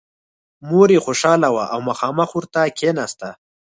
مور یې خوشحاله وه او مخامخ ورته کېناسته